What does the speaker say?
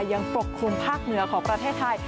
ปกคลุมภาคเหนือของประเทศไทย